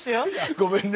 ごめんね。